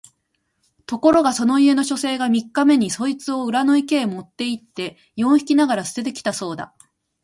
ところがそこの家の書生が三日目にそいつを裏の池へ持って行って四匹ながら棄てて来たそうだ